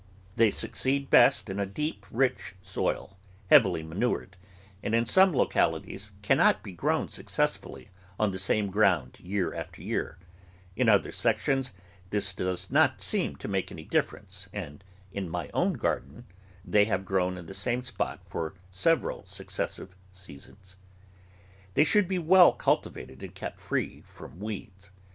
They THE VEGETABLE GARDEN succeed best in a deep, rich soil, heavily manured, and in some localities cannot be grown successfully on the same ground year after year; in other sec tions this does not seem to make any difference, and in my own garden they have grown in the same spot for several successive seasons. They should be well cultivated and kept free from weeds.